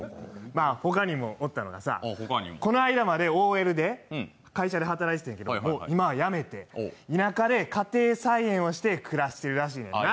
まあ、ほかにもおったのがさ、この間までＯＬで会社で働いててんけど今は辞めて田舎で家庭菜園をして暮らしているらしいんやな。